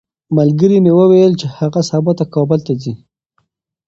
ملګري مې وویل چې هغه سبا کابل ته ځي.